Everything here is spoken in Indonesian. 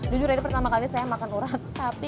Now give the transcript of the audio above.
jujur ya ini pertama kali saya makan urat sapi